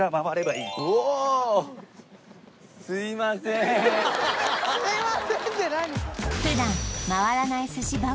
うおすみませんって何？